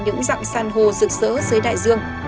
những dặn sàn hồ rực rỡ dưới đại dương